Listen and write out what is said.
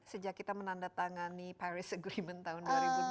sejak kita menandatangani paris agreement tahun dua ribu dua puluh